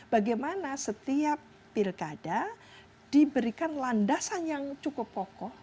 bagaimana setiap pilkada diberikan landasan yang cukup pokok